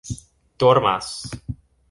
dormas